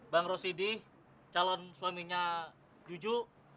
bang rosidi calon suaminya jujur